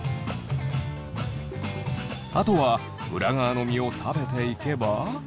あとは裏側の身を食べていけば。